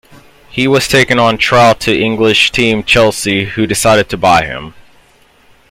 He was taken on trial to English team Chelsea, who decided to buy him.